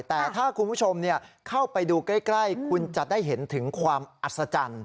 แต่ถ้าคุณผู้ชมเข้าไปดูใกล้คุณจะได้เห็นถึงความอัศจรรย์